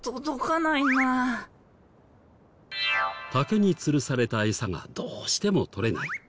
竹につるされたエサがどうしても取れない。